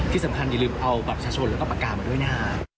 ที่สำคัญอย่าลืมเอาประชาชนแล้วก็ปากกามาด้วยนะ